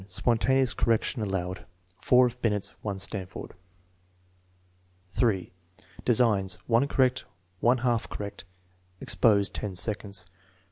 Spontaneous correction al lowed.) (Four of Binet's, one Stanford.) 3. Designs. (1 correct, 1 half correct. Expose 10 seconds.)